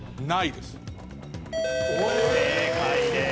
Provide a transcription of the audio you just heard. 正解です。